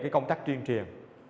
công tác truyền truyền